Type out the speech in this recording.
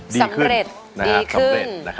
สำเร็จดีขึ้น